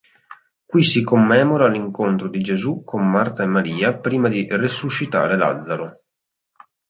Qui si commemora l'incontro di Gesù con Marta e Maria prima di resuscitare Lazzaro.